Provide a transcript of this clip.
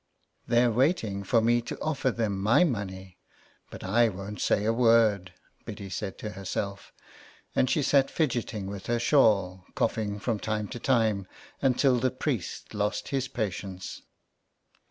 " They're waiting for me to offer them my money, but I won't say a word," Biddy said to herself; and she sat fidgetting with her shawl, coughing from time to time, until the priest lost his patience.